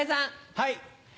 はい。